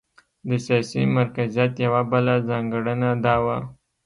د سیاسي مرکزیت یوه بله ځانګړنه دا وه.